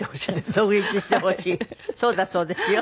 そうだそうですよ。